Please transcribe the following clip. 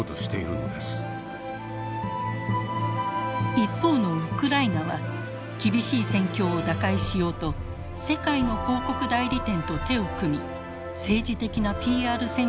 一方のウクライナは厳しい戦況を打開しようと世界の広告代理店と手を組み政治的なＰＲ戦略を展開。